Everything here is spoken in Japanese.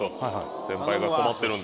先輩が困ってるんで。